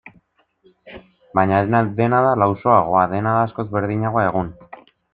Baina dena da lausoagoa, dena da askoz berdinagoa egun.